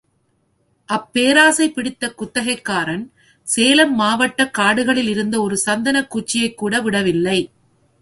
அப்பேராசை பிடித்த குத்தகைக்காரன், சேலம் மாவட்டக் காடுகளிலிருந்த ஒரு சந்தனக் குச்சியைக்கூட விடல்லை.